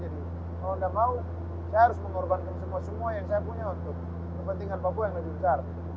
kalau anda mau saya harus mengorbankan semua semua yang saya punya untuk kepentingan papua yang lebih besar